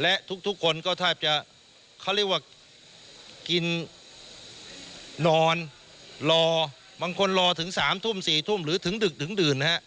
และทุกคนก็แทบจะเขาเรียกว่ากินนอนรอบางคนรอถึง๓ทุ่ม๔ทุ่มหรือถึงดึกถึงดื่นนะฮะ